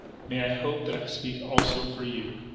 May I hope that I speak, also, for you?